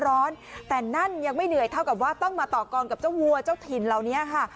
แต่นั่นยังไม่เหนื่อยเท่ากับว่าต้องมาต่อกรกับเจ้าวัวเจ้าถิ่นเหล่านี้ค่ะ